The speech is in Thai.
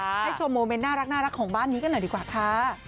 ให้ชมโมเมนต์น่ารักของบ้านนี้กันหน่อยดีกว่าค่ะ